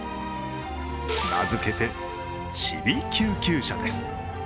名付けて、ちび救急車です。